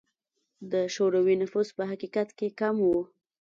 د شوروي نفوس په حقیقت کې کم و.